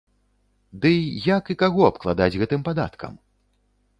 Дый як і каго абкладаць гэтым падаткам?